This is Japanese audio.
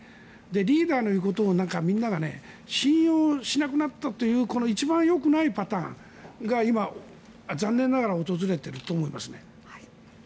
リーダーの言うこともみんなが信用しなくなったという一番よくないパターンが今、残念ながら訪れていると思いますね。